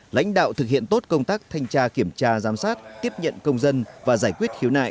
lãnh đạo thực hiện tốt công tác thanh tra kiểm tra giám sát tiếp nhận công dân và giải quyết khiếu nại